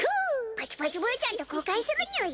パチパチブーちゃんと交換するにゅい。